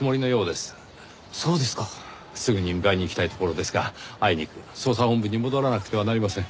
すぐに迎えに行きたいところですがあいにく捜査本部に戻らなくてはなりません。